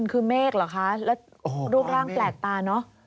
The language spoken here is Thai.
คือเมฆเหรอคะแล้วรูปร่างแปลกตาเนอะ